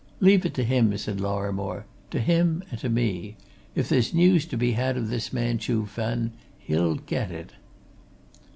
"Leave it to him," said Lorrimore. "To him and to me. If there's news to be had of this man Chuh Fen, he'll get it."